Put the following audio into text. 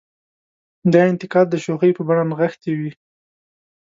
دا انتقاد د شوخۍ په بڼه نغښتې وي.